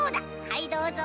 はいどうぞ。